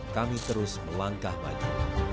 kami terus melangkah maju